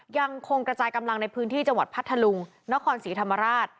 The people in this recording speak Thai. ยังคงกระจายกำลังในพื้นที่จังหวัดพัทธลุงนครศรีธรรมราช